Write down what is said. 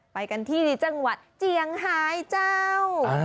ไปกันที่จังหวัดเจียงหายเจ้า